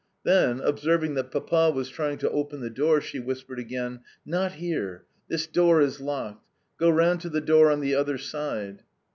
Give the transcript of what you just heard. Then, observing that Papa was trying to open the door, she whispered again: "Not here. This door is locked. Go round to the door on the other side."